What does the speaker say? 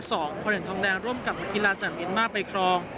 คว้าเหรียญทองแดงร่วมกับนักกีฬาจากเมียนมาร์ไปครอง